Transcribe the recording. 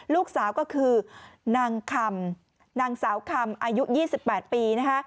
ลูกสาวก็คือนางคำนางสาวคำอายุ๒๘ปีนะคะ